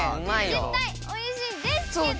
絶対おいしいですけど！